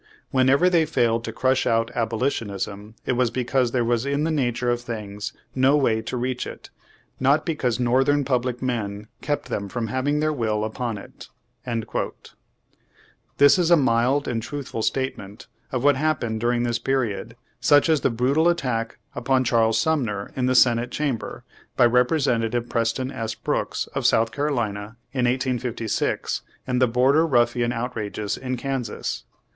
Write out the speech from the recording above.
Whenever they failed to crush out abolitionism, it was because there was in the nature of things no way to reach it, not because Northern public men kept them from having their will upon it." ^ This is a mild and truthful statement of what happened during this period, such as the brutal attack upon Charles Sumner in the Senate Cham ber, by Representative Preston S. Brooks, of South Carolina, in 1856, and the Border Ruffian outrages in Kansas.